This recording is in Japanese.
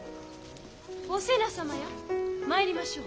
お瀬名様や参りましょう。